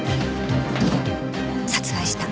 殺害した